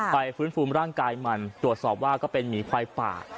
ฟื้นฟูร่างกายมันตรวจสอบว่าก็เป็นหมีควายป่า